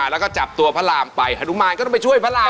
แล้วก็จับตัวพระรามไปฮนุมานก็ต้องไปช่วยพระราม